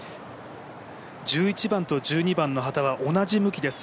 １１番と１２番の旗は同じ向きです。